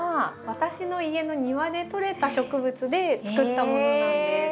私の家の庭でとれた植物で作ったものなんです。